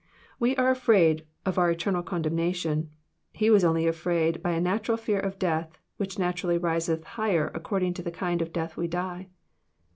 We are afraid of our eternal condemnation ; He was only afraid by a natural fear of death, which naturally riseth higher according to the kind of death we die.